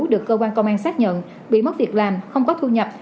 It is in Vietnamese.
được cơ quan công an xác nhận bị mất việc làm không có thu nhập